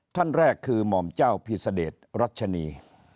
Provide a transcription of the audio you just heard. ท่านแรกคือหม่อมเจ้าพิษเดชรัชนี